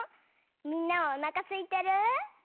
みんなおなかすいてる？